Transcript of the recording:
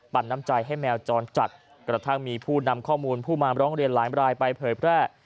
น้ำใจให้แมวจรจัดกระทั่งมีผู้นำข้อมูลผู้มาร้องเรียนหลายรายไปเผยแพร่